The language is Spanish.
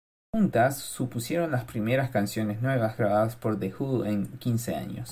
Juntas supusieron las primeras canciones nuevas grabadas por The Who en quince años.